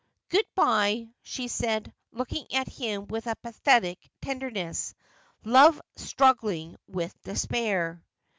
' Good bye,' she said, looking at him with a pathetic tender ness, love struggling with despair.